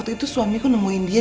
jadi kamu udah punya anak